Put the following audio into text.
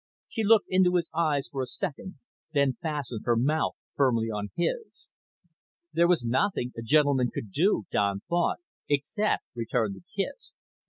She looked into his eyes for a second, then fastened her mouth firmly on his. There was nothing a gentleman could do, Don thought, except return the kiss.